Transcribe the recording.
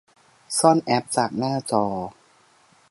ซ่อนแอปจากหน้าจอ